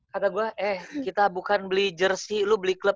kata gue eh kita bukan beli jersi lu beli klub